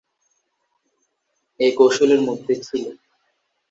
এই কৌশলের মধ্যে ছিল।